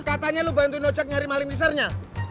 katanya lu bantu nocek nyari maling mixernya